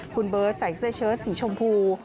คุณเบิร์ตใส่เสื้อเชิดสีชมพู